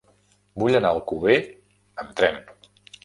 Vull anar a Alcover amb tren.